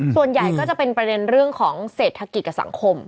ส่วนใหญ่ก็จะเป็นประเด็นเรื่องของเศรษฐกิจกับสังคม